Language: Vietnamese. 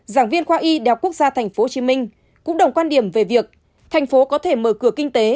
giảng viên khoa y đại học quốc gia tp hcm cũng đồng quan điểm về việc thành phố có thể mở cửa kinh tế